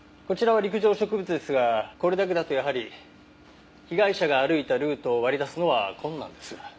こちらは陸上植物ですがこれだけだとやはり被害者が歩いたルートを割り出すのは困難です。